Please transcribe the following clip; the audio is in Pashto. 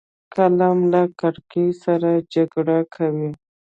قلم له کرکې سره جګړه کوي